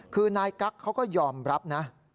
คือนายกั๊กเขาก็ยอมรับนะ